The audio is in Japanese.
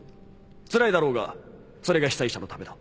つらいだろうがそれが被災者のためだ。